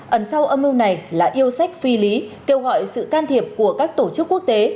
ẩn sau âm mưu này là yêu sách phi lý kêu gọi sự can thiệp của các tổ chức quốc tế